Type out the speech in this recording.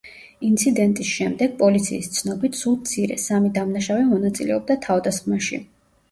ინციდენტის შემდეგ, პოლიციის ცნობით, სულ მცირე, სამი დამნაშავე მონაწილეობდა თავდასხმაში.